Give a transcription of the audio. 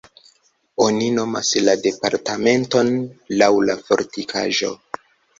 Oni nomis la departementon laŭ la fortikaĵo.